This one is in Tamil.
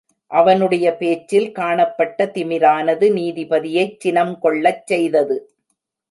அவனுடைய பேச்சில் காணப்பட்ட திமிரானது நீதிபதியைச் சினம் கொள்ளச் செய்தது.